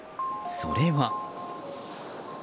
それは。